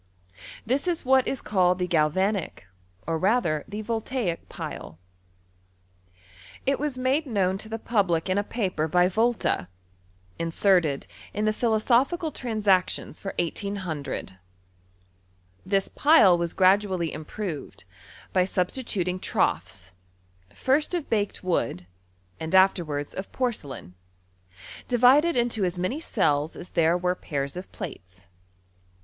This is what is called the Galvanic, or rather the Voltaic pile. It was made known to the public in a paper by Volta, in serted in the Philosophical Transactions lor 180CK Tins pile was gradually improved, by substituting troughs, first of baked wood, and afterwards cf porcelain, divided into as many cells as there were pairs of (^ates.